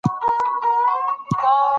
چې شین شال پر ډولۍ اچول شوی و